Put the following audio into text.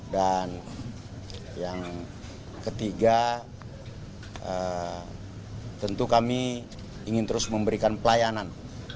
dan yang ketiga tentu kami ingin terus memberikan pelayanan